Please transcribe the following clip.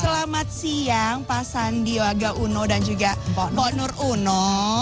selamat siang pak sandiaga uno dan juga pak nur uno